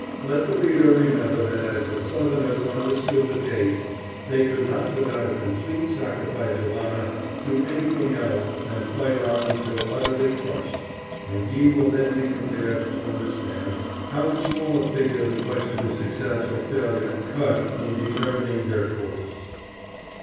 Let the reader remember that as the Southerners understood the case, they could not, without a complete sacrifice of honor, do anything else than fight on until utterly crushed, and he will then be prepared to understand how small a figure the question of success or failure cut in determining their course.